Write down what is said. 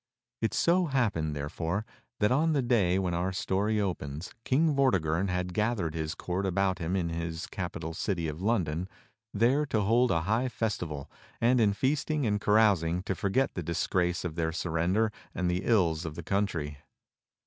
It so happened, therefore, that on the day when our story opens. King Vortigern had gathered his court about him in his capital city of London, there to hold a high festival, and in feasting and carous ing to forget the disgrace of their surrender and the ills of the country.